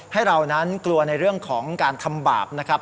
ให้เรานั้นกลัวในเรื่องของการทำบาปนะครับ